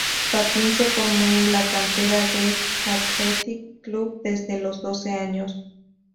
Pampín se formó en la cantera del Athletic Club desde los doce años.